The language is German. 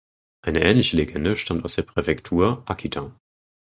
Eine ähnliche Legende stammt aus der Präfektur Akita.